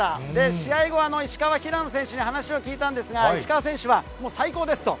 試合後、石川、平野選手に話を聞いたんですが、石川選手は、もう最高ですと。